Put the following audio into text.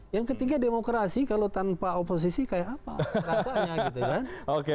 yang ketiga demokrasi kalau tanpa oposisi kayak apa rasanya gitu kan